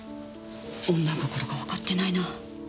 女心がわかってないな。